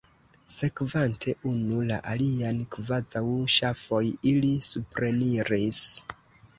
Sekvante unu la alian kvazaŭ ŝafoj, ili supreniris.